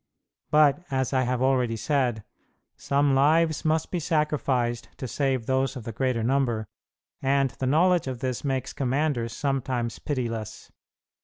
But, as I have already said, some lives must be sacrificed to save those of the greater number, and the knowledge of this makes commanders sometimes pitiless.